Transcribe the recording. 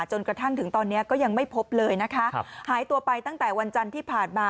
จนกระทั่งถึงตอนนี้ก็ยังไม่พบเลยนะคะหายตัวไปตั้งแต่วันจันทร์ที่ผ่านมา